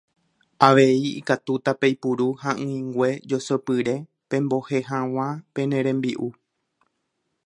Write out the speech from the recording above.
Avei ikatúta peipuru ha'ỹingue josopyre pembohe hag̃ua pene rembi'u.